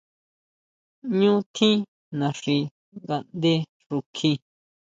Ñú tjín naxi ngaʼndé xukji.